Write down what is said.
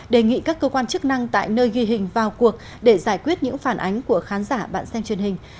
đề nghị các cơ quan chức năng tại nơi ghi hình vào cuộc để giải quyết những phản ánh của khán giả bạn xem truyền hình